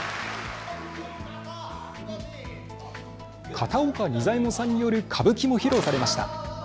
片岡仁左衛門さんによる歌舞伎も披露されました。